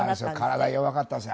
体弱かったんですね。